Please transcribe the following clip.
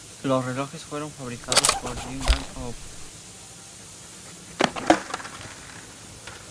Los relojes fueron fabricados por Gent and Co.